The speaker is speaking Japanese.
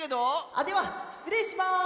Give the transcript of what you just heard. ・あっではしつれいします。